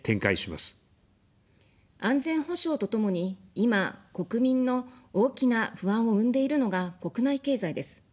安全保障とともに、今、国民の大きな不安を生んでいるのが国内経済です。